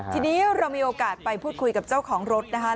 ทีนี้เรามีโอกาสไปพูดคุยกับเจ้าของรถนะคะ